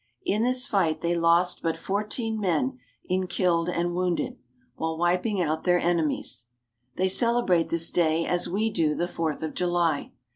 In this fight they lost but fourteen men in killed and wounded, while wiping out their enemies. They celebrate this day as we do the Fourth of July.